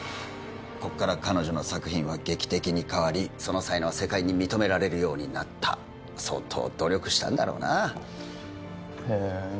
ここから彼女の作品は劇的に変わりその才能は世界に認められるようになった相当努力したんだろうなあへえ